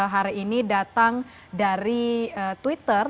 hari ini datang dari twitter